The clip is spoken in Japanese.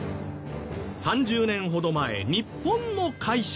３０年ほど前日本の会社は。